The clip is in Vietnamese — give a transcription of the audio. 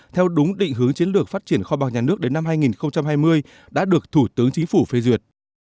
theo đúng định hướng chiến lược phát triển kho bạc nhà nước đến năm hai nghìn hai mươi đã được thủ tướng chính phủ phê duyệt